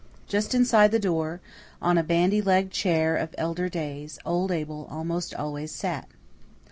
Just inside the door, on a bandy legged chair of elder days, old Abel almost always sat.